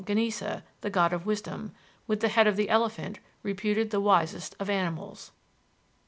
Ganesa, the god of wisdom, with the head of the elephant, reputed the wisest of animals.